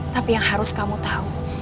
tapi yang harus kamu tahu